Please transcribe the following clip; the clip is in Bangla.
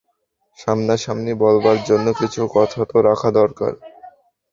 সামনাসামনি বলার জন্য কিছু কথা তো রাখা দরকার।